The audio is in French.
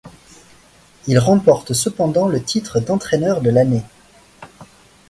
Il remporte cependant le titre d'Entraîneur de l'année.